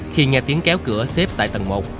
khi nghe tiếng kéo cửa xếp tại tầng một